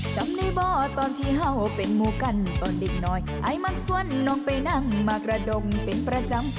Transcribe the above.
จำในบ่อตอนที่เห่าเป็นหมู่กันตอนเด็กน้อยไอ้มักชวนลงไปนั่งมากระดงเป็นประจำ